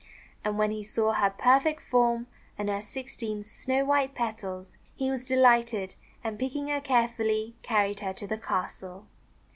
And when he saw her perfect form and her sixteen snow white petals, he was de lighted, and, picking her carefully, carried her to the castle.